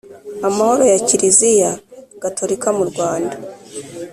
amahoro ya Kiriziya Gatorika mu Rwanda